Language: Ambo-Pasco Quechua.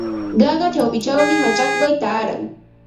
Qaqa chawpinchawmi machakway taaran.